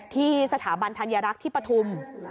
ที่สถาบันธัญรักษ์ที่ปฐุม